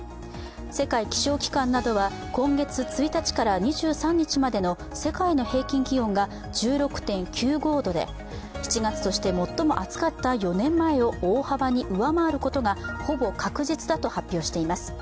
世界気象機関などは今月１日から２３日までの世界の平均気温が１６．９５度で、７月として最も暑かった４年前を大幅に上回ることがほぼ確実だと発表しています。